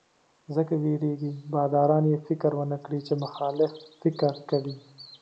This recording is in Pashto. ځکه وېرېږي باداران یې فکر ونکړي چې مخالف فکر کوي.